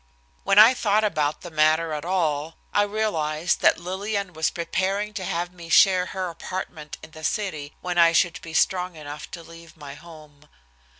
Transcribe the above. When I thought about the matter at all, I realized that Lillian was preparing to have me share her apartment in the city when I should be strong enough to leave my home.